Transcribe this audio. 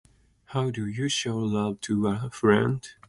How do you show love to a friend?